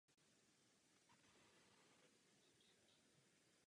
Studoval na Papežské církevní akademii kde získal doktorát z kanonického práva.